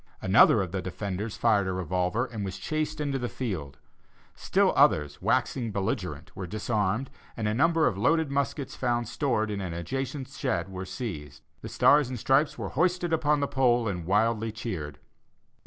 Another of the defenders fired a revolver, and was chased into the fields. Still others, waxing belligerent, were disarmed, and a number of loaded muskets found stored in an adjacent shed were seized. The stars and stripes were hoisted upon the pole, and wildly cheered.